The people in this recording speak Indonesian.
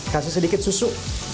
kasih sedikit susu